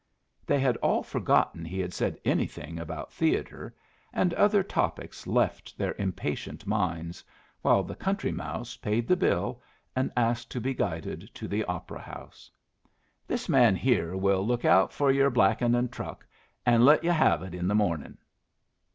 They had all forgotten he had said anything about theatre, and other topics left their impatient minds, while the Country Mouse paid the bill and asked to be guided to the Opera house. "This man here will look out for your blackin' and truck, and let yu' have it in the morning."